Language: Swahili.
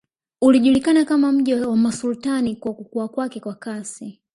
Ulijulikana kama mji wa masultani kwa kukua kwake kwa kasi